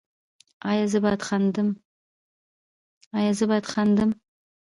ایا زه باید خندم؟